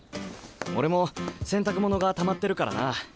俺も洗濯物がたまってるからな。